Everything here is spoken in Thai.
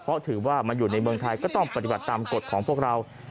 เพราะถือว่ามาอยู่ในเมืองไทยก็ต้องปฏิบัติตามกฎของพวกเรา